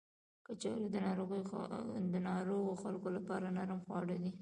کچالو د ناروغو خلکو لپاره نرم خواړه دي